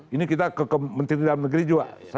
ini kita ke menteri dalam negeri juga